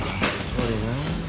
それな。